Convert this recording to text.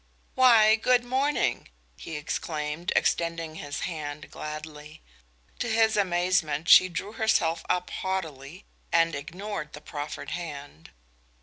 "Why, good morning," he exclaimed, extending his hand gladly. To his amazement she drew herself up haughtily and ignored the proffered hand.